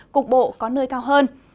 cục bộ có nơi cao hơn